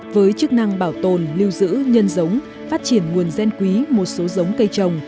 với chức năng bảo tồn lưu giữ nhân giống phát triển nguồn gen quý một số giống cây trồng